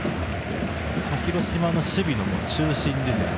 広島の守備の中心ですよね。